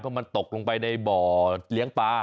มันตกลงไปในบ่อเลี้ยงปลา